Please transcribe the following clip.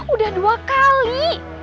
udah dua kali